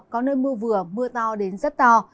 có nơi mưa vừa mưa to đến rất to